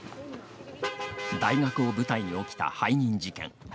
大学を舞台に起きた背任事件。